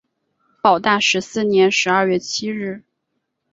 保大十四年十二月七日。